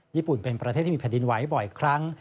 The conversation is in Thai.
ญี่ปุ่นเป็นประเทศที่มีแผ่นดินไหวบ่อยครั้ง